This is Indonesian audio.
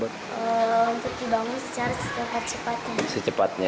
baru dirinciin untuk dibangun secara secepatnya